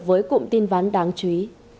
với cụm tin ván đáng chú ý